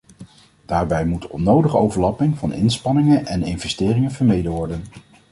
Daarbij moet onnodige overlapping van inspanningen en investeringen vermeden worden.